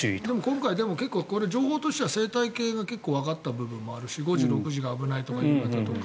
今回でもこれ情報としては生態系が結構わかった部分もあるし５時、６時が危ないとか夕方とか。